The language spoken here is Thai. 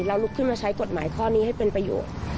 ลุกขึ้นมาใช้กฎหมายข้อนี้ให้เป็นประโยชน์